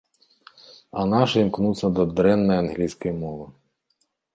А нашы імкнуцца да дрэннай англійскай мовы.